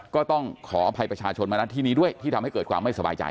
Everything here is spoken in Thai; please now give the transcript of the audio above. ก็ต้องขออภัยประชาชนมานัดที่นี้ด้วยที่ทำให้เกิดความไม่สบายใจ